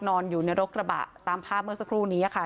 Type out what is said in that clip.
นอนอยู่ในรถกระบะตามภาพเมื่อสักครู่นี้ค่ะ